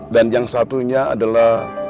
dan yang satunya adalah